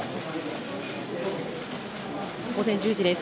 午前１０時です。